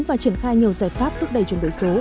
và triển khai nhiều giải pháp thúc đẩy chuyển đổi số